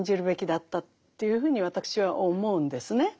というふうに私は思うんですね。